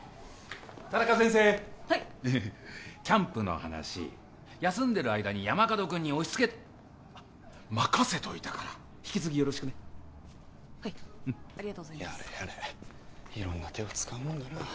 田中先生はいキャンプの話休んでる間に山門君に押しつけあ任せといたから引き継ぎよろしくねはいありがとうございますやれやれ色んな手を使うもんだなあ